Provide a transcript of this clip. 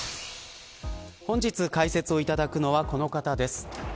本日、解説をいただくのはこの方です。